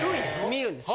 見るんです。